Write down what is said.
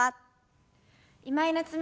今井菜津美です。